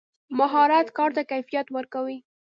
مهارت کار ته کیفیت ورکوي.